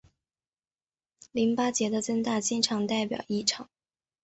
淋巴结的增大经常代表异常。